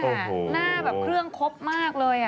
หน้าแบบเครื่องครบมากเลย